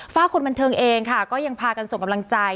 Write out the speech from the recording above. ฝากคนบันเทิงเองค่ะก็ยังพากันส่งกำลังใจ